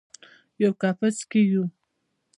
یوه کپس کې یو